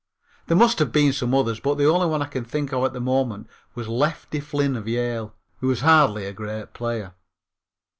There must have been some others, but the only one I can think of at the moment was Lefty Flynn of Yale, who was hardly a great player.